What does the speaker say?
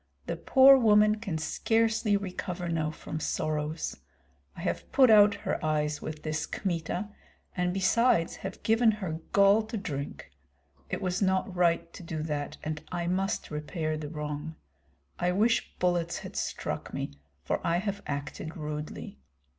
The poor woman can scarcely recover now from sorrows. I have put out her eyes with this Kmita, and besides have given her gall to drink. It was not right to do that, and I must repair the wrong. I wish bullets had struck me, for I have acted rudely.